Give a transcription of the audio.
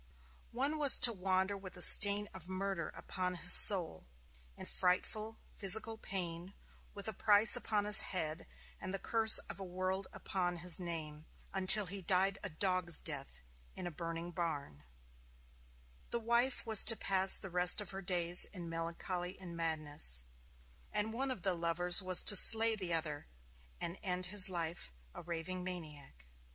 One was to wander with the stain of murder upon his soul, in frightful physical pain, with a price upon his head and the curse of a world upon his name, until he died a dog's death in a burning barn; the wife was to pass the rest of her days in melancholy and madness; and one of the lovers was to slay the other, and end his life a raving maniac.